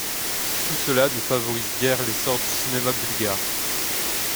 Tout cela ne favorise guère l'essor du cinéma bulgare.